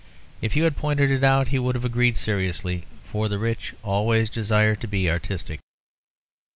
If you had pointed it out, he would have agreed seriously, for the rich always desire to be artistic.